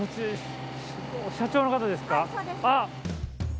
あっ！